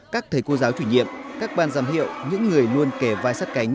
các thầy cô giáo chủ nhiệm các ban giám hiệu những người luôn kề vai sắt cánh